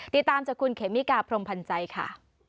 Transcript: ติดตามจากคุณเขมิกาพรมพันธ์ใจค่ะ